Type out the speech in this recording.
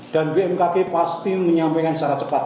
dan bmkg pasti menyampaikan secara cepat